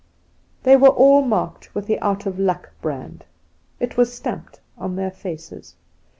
They were all marked with the ' out of luck ' brand. It was stamped on their faces.